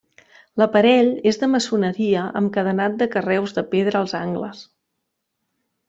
L'aparell és de maçoneria amb cadenat de carreus de pedra als angles.